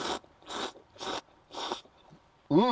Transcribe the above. うん！